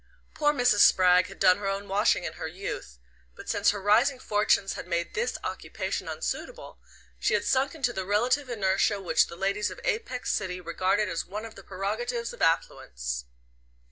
Poor Mrs. Spragg had done her own washing in her youth, but since her rising fortunes had made this occupation unsuitable she had sunk into the relative inertia which the ladies of Apex City regarded as one of the prerogatives of affluence.